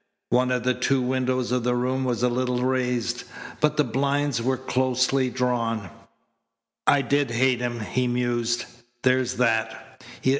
One of the two windows of the room was a little raised, but the blinds were closely drawn. "I did hate him," he mused. "There's that.